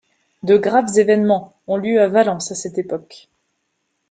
De graves évènements ont lieu à Valence à cette époque.